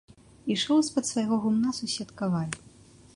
Ішоў з-пад свайго гумна сусед каваль.